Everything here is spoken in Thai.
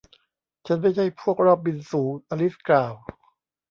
ฉันไม่ใช่พวกรอบบินสูง อลิซกล่าว